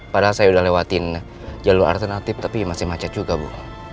padahal saya udah lewatin jalur alternatif tapi masih macet juga bu